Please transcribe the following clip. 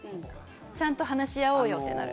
ちゃんと話し合おうよってなる。